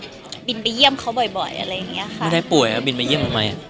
บินไปเยี่ยมเขาบ่อย